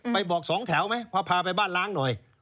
บอกสองแถวไหมพอพาไปบ้านล้างหน่อย